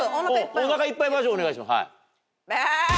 おなかいっぱいバージョンお願いします。